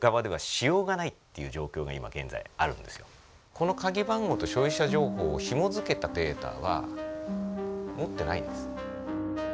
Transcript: この鍵番号と消費者情報をひもづけたデータは持ってないんです。